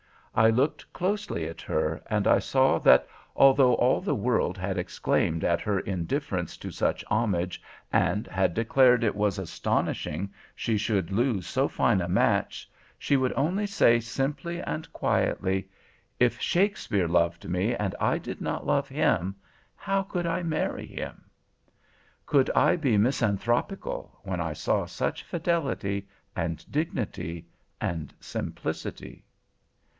I looked closely at her, and I saw that although all the world had exclaimed at her indifference to such homage, and had declared it was astonishing she should lose so fine a match, she would only say simply and quietly— "'If Shakespeare loved me and I did not love him, how could I marry him?' "Could I be misanthropical when I saw such fidelity, and dignity, and simplicity?